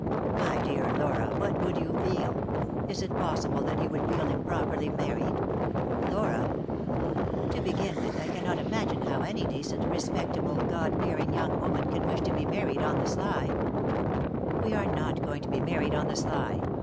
" My dear Laura, what would you feel ? Is it possible that you would feel improperly married ?— Laura !" "To begin with, I cannot imagine how any decent, T 289 3i 9 iii^d by Google THE INTERRUPTED KISS respectable, God fearing young woman can wish to be married on the sly." "We are not going to be married on the sly.